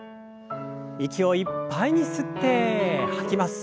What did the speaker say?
息をいっぱいに吸って吐きます。